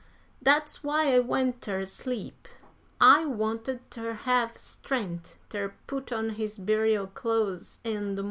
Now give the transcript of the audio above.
dat's why I went ter sleep. I wanted ter hev strengt' ter put on his burial clo'es in de mornin'.